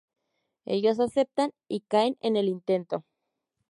Ellos aceptan, y caen en el intento.